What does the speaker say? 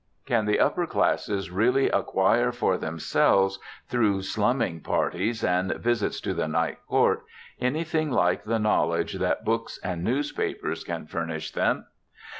Can the upper classes really acquire for themselves, through slumming parties and visits to the Night Court, anything like the knowledge that books and newspapers can furnish them?